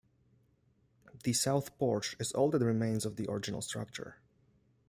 The south porch is all that remains of the original structure.